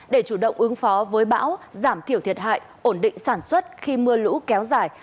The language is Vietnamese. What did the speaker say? để chủ động ứng phó với bão giảm thiểu thiệt hại ổn định sản xuất khi mưa lũ kéo dài